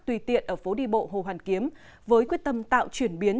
tùy tiện ở phố đi bộ hồ hoàn kiếm với quyết tâm tạo chuyển biến